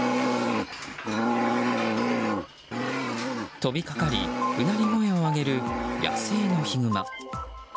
飛びかかり、うなり声を上げる野生のヒグマ。